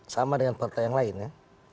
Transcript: sama dengan partai yang lain ya